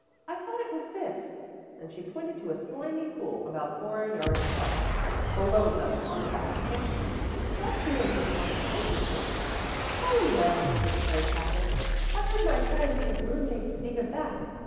I thought it was this," and she pointed to a slimy pool about four yards across, below them on the back campus. "That's the only pond I'd noticed." "Oh, no," declared Katherine. "I've heard my scientific roommate speak of that.